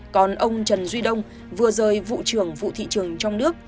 còn ông trần duy đông vừa rời vụ trưởng vụ thị trường trong nước